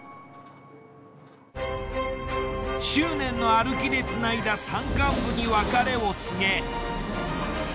執念の歩きでつないだ山間部に別れを告げ。